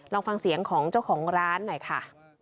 ลองฟังเสียงของเจ้าของร้านหน่อยค่ะ